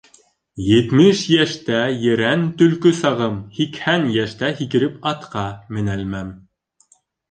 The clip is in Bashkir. Етмеш йәштә ерән төлкө сағым, һикһән йәштә һикереп атҡа менәлмәм